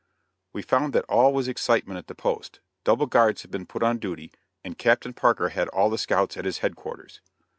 We found that all was excitement at the post; double guards had been put on duty, and Captain Parker had all the scouts at his headquarters.